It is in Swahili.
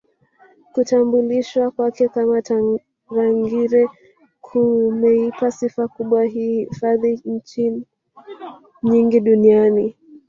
Kutambulishwa kwake kama Tarangire kumeipa sifa kubwa hii hifadhi nchi nyingi Duniani